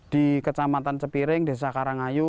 di kecamatan cepiring desa karangayu